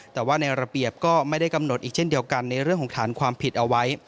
แต่ว่าในระเบียบก็ไม่ได้กำหนดอีกเช่นเดียวกันในเรื่องของฐานความผิดเอาไว้